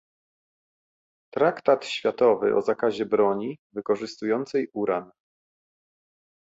Traktat światowy o zakazie broni wykorzystującej uran